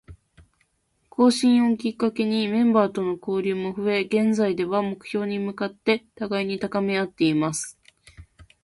更新をきっかけにメンバーとの交流も増え、現在では、目標に向かって互いに高めあっています。